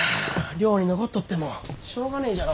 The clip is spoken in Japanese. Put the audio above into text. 寮に残っとってもしょうがねえじゃろ。